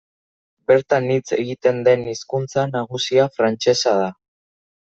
Bertan hitz egiten den hizkuntza nagusia frantsesa da.